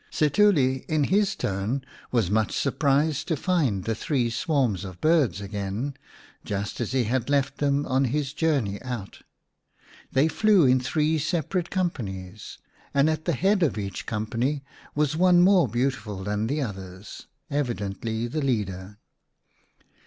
Setuli in his turn was much surprised to find the three swarms of birds again, just as he had left them on his journey out. They flew in three separate companies, and at the head of each company was one more beautiful than the others, evidently the leader.